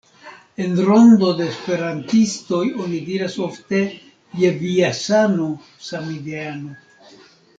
En rondo da esperantistoj oni diras ofte "je via sano, samideano"